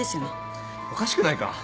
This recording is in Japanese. おかしくないか？